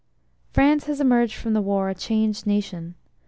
France has emerged from the War a changed nation.